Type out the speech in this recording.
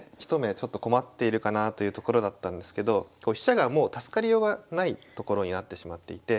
ちょっと困っているかなというところだったんですけど飛車がもう助かりようがないところになってしまっていて。